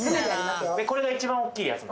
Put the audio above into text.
これが一番おっきいやつ？